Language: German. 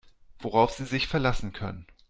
Worauf Sie sich verlassen können.